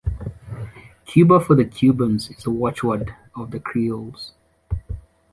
‘Cuba for the Cubans’, is the watchword of the creoles.